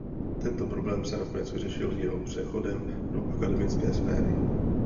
Tento problém se nakonec vyřešil jeho přechodem do akademické sféry.